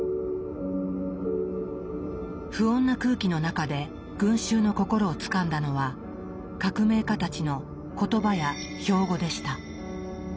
不穏な空気の中で群衆の心をつかんだのは革命家たちの「言葉」や「標語」でした。